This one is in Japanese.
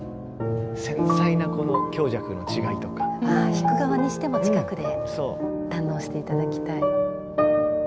弾く側にしても近くで堪能して頂きたい。